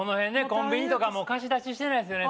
コンビニとかも貸し出ししてないですよね